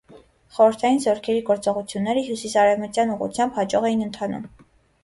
Խորհրդային զորքերի գործողությունները հյուսիսարևմտյան ուղղությամբ հաջող էին ընթանում։